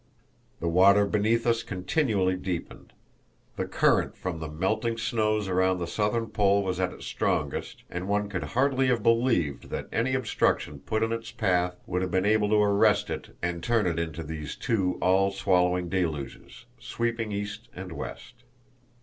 The water beneath us continually deepened. The current from the melting snows around the southern pole was at its strongest, and one could hardly have believed that any obstruction put in its path would have been able to arrest it and turn it into these two all swallowing deluges, sweeping east and west.